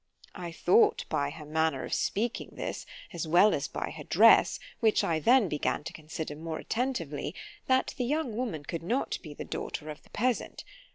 I thought by her manner of speaking this, as well as by her dress, which I then began to consider more attentively——that the young woman could not be the daughter of the peasant.